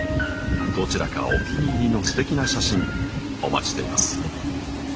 どちらかお気に入りのすてきな写真お待ちしています。